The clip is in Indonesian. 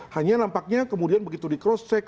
hanya nampaknya kemudian begitu di cross check